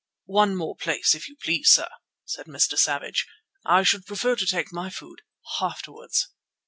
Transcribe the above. "One more place, if you please, sir," said Savage. "I should prefer to take my food afterwards."